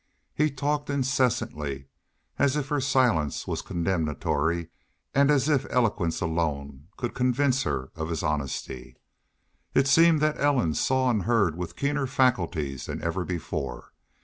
He talked incessantly, as if her silence was condemnatory and as if eloquence alone could convince her of his honesty. It seemed that Ellen saw and heard with keener faculties than ever before.